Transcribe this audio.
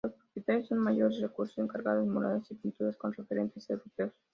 Los propietarios con mayores recursos encargaban murales y pinturas con referentes europeos.